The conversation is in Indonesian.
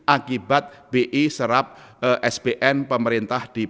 akibat bi serap sbn pemerintah